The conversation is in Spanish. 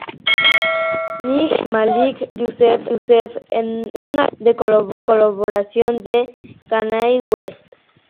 Night de Malik Yusef, un álbum de colaboración de Kanye West.